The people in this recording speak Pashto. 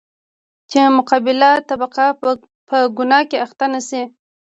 چـې مـقابله طبـقه پـه ګنـاه کـې اخـتـه نـشي.